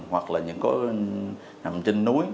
hoặc là những có nằm trên núi